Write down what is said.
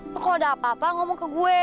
lo kalau ada apa apa ngomong ke gue